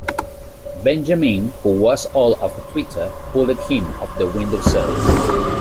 Benjamin, who was all of a twitter, pulled him off the window-sill.